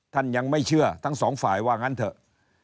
ท่านยังไม่เชื่อทั้งสองฝ่ายว่างั้นเถอะ